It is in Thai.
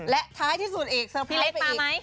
และท้ายที่สุดเอกสเตอร์ไพร้ไปอีก